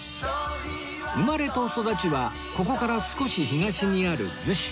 生まれと育ちはここから少し東にある逗子